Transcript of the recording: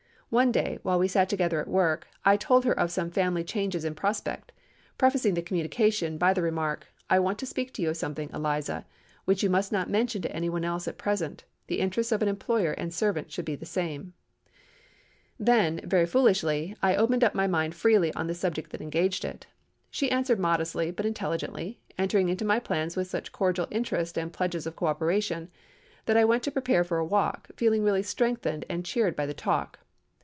One day, while we sat together at work, I told her of some family changes in prospect, prefacing the communication by the remark, 'I want to speak to you of something, Eliza, which you must not mention to any one else at present. The interests of an employer and a servant should be the same.' "Then, very foolishly, I opened up my mind freely on the subject that engaged it. She answered modestly, but intelligently, entering into my plans with such cordial interest and pledges of co operation, that I went to prepare for a walk, feeling really strengthened and cheered by the talk.